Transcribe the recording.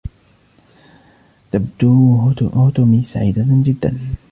تبدو هتُمي سعيدة جداً.